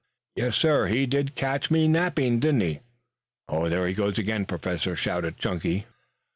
"Yes, sir. He did catch me napping, didn't he?" "There he goes again, Professor," shouted Chunky.